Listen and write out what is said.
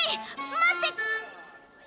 待って。